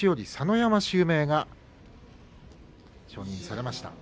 山襲名が承認されました。